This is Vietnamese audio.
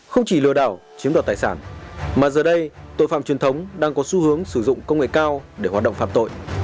không chỉ lừa đảo chiếm đoạt tài sản mà giờ đây tội phạm truyền thống đang có xu hướng sử dụng công nghệ cao để hoạt động phạm tội